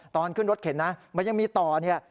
ตอนขึ้นรถเข็นนะมันยังมีต่อเนี่ย